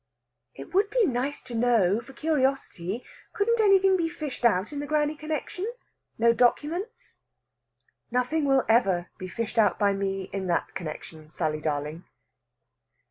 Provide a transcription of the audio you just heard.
"It would be nice to know for curiosity. Couldn't anything be fished out in the granny connexion? No documents?" "Nothing will ever be fished out by me in that connexion, Sally darling."